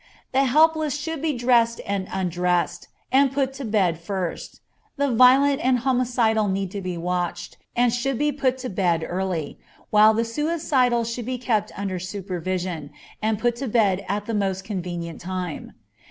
The helpless should be dressed and undressed, and put to bed first: the violent and homicidal need to be watched, and should be put to bed early, while the suicidal should be kept under supervision, and put to bed at the most convenient time.